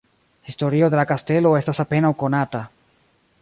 Historio de la kastelo estas apenaŭ konata.